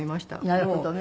なるほどね。